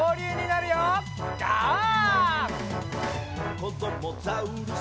「こどもザウルス